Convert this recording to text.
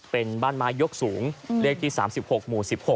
เป็นบ้านไม้ยกสูงเลขที่๓๖หมู่๑๖